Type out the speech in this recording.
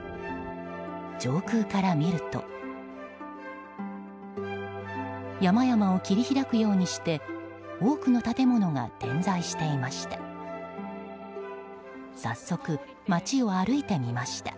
上空から見ると山々を切り開くようにして多くの建物が点在していました。